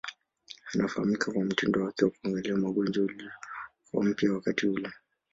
Anafahamika kwa mtindo wake wa kuangalia magonjwa uliokuwa mpya wakati ule.